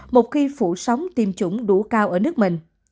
một khi phủ sóng tiêm chủng đủ cao ở nước mình